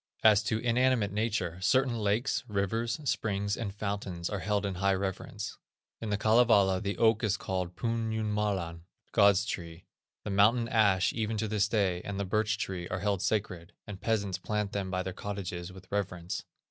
As to inanimate nature, certain lakes, rivers, springs, and fountains, are held in high reverence. In the Kalevala the oak is called Pun Jumalan (God's tree). The mountain ash even to this day, and the birch tree, are held sacred, and peasants plant them by their cottages with reverence.